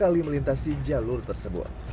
untuk mengembangkan perusahaan tersebut